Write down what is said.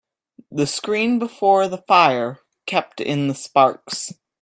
The screen before the fire kept in the sparks.